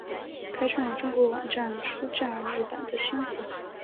开创了中国网站出假日版的先河。